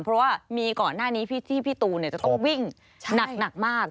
เพราะว่ามีก่อนหน้านี้ที่พี่ตูนจะต้องวิ่งหนักมาก